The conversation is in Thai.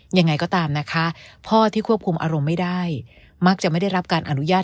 ยังไงก็ตามนะคะพ่อที่ควบคุมอารมณ์ไม่ได้มักจะไม่ได้รับการอนุญาต